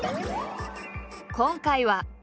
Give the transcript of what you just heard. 今回は。